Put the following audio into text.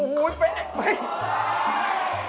โอ้ไปเบ๊ะ